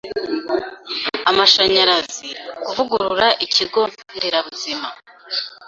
amashanyarazi, kuvugurura Ikigo Nderabuzima